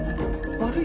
悪い。